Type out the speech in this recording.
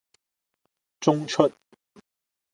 中出